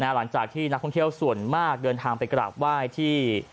หลังจากที่นักท่องเที่ยวส่วนมากเดินทางไปกราบไหว้ที่